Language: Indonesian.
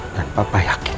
dan papa yakin